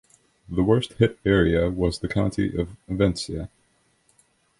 The worst hit area was the county of Ventzia.